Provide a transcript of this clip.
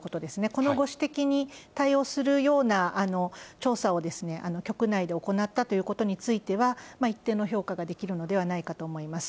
このご指摘に対応するような調査を局内で行ったということについては、一定の評価ができるのではないかと思います。